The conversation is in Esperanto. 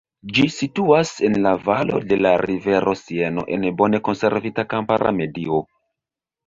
Ĝi situas en la valo de la rivero Sieno en bone konservita kampara medio.